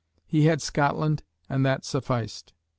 He had Scotland and that sufficed.